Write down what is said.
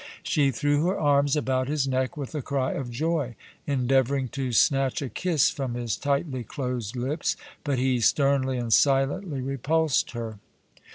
She threw her arms about his neck with a cry of joy, endeavoring to snatch a kiss from his tightly closed lips, but he sternly and silently repulsed her.